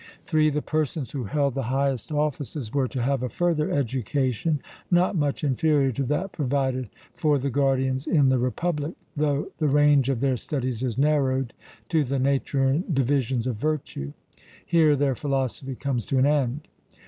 (3) The persons who held the highest offices were to have a further education, not much inferior to that provided for the guardians in the Republic, though the range of their studies is narrowed to the nature and divisions of virtue: here their philosophy comes to an end.